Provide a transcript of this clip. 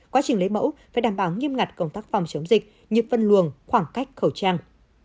quá trình lấy mẫu phải đảm bảo nghiêm ngặt công tác phòng chống dịch như vân luồng khoảng cách khẩu trang